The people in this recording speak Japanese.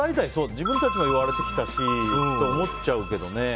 自分たちも言われてきたしって思っちゃうけどね。